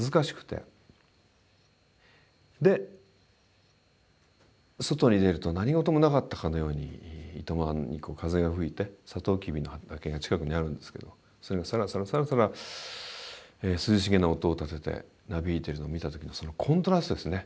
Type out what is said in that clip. で外に出ると何事もなかったかのように糸満に風が吹いてサトウキビの畑が近くにあるんですけどそれがサラサラサラサラ涼しげな音を立ててなびいてるのを見た時のそのコントラストですね